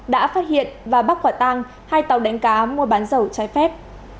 đã phát hiện và bắt quả tang hai tàu đánh cá mua bán dầu trái phép